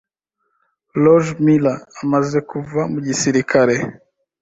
Roger Miller amaze kuva mu gisirikare,